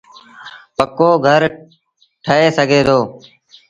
پڪو گھر ٺآهي سگھي دو۔